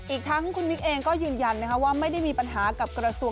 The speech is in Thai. อีกทั้งคุณมิกเองก็ยืนยันนะครับว่าไม่ได้มีปัญหากับกระทรวงที่จ้างงาน